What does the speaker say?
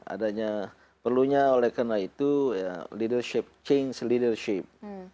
adanya perlunya oleh karena itu leadership change leadership